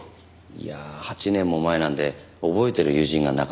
いや８年も前なんで覚えてる友人がなかなか。